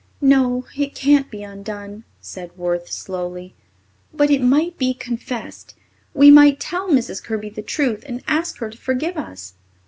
"No, it can't be undone," said Worth slowly, "but it might be confessed. We might tell Mrs. Kirby the truth and ask her to forgive us."